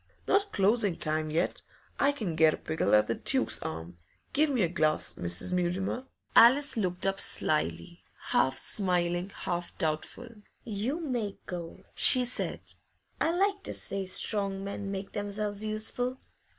'Not closing time yet. I can get a pickle at the "Duke's Arms." Give me a glass, Mrs. Mutimer.' Alice looked up slily, half smiling, half doubtful. 'You may go,' she said. 'I like to see strong men make themselves useful.